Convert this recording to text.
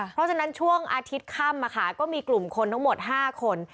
เพราะฉะนั้นช่วงอาทิตย์ค่ำก็มีกลุ่มคนทั้งหมด๕คน